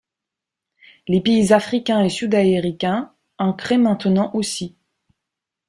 Les pays africains et sud-aéricains en créent maintenant aussi.